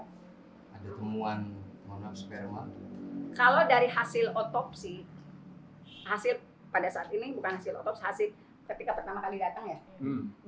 kemuan kalau dari hasil otopsi hasil pada saat ini bukan hasil baba hasil pertama sekali contaminated